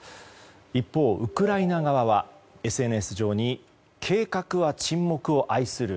一方、ウクライナ側はＳＮＳ上に計画は沈黙を愛する。